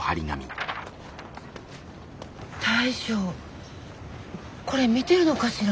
大将これ見てるのかしら。